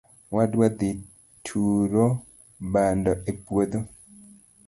Wadwa dhi turo bando e puodho